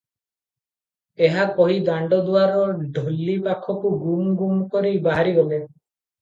ଏହା କହି ଦାଣ୍ତ ଦୁଆର ଡୋଲି ପାଖକୁ ଗୁମ୍ ଗୁମ୍ କରି ବାହାରିଗଲେ ।